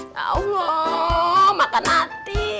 ya allah makan hati